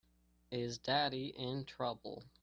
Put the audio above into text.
Is Daddy in trouble?